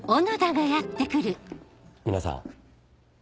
皆さん。